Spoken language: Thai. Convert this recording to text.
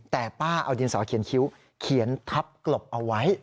แต่ป้าเอาดินสอเขียนคิ้วเขียนทับกลบเอาไว้